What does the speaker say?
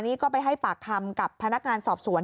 นี่ก็ไปให้ปากคำกับพนักงานสอบสวน